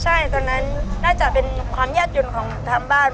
ใช่ตอนนั้นน่าจะเป็นความแยกจนของทำบ้าน